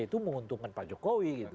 itu menguntungkan pak jokowi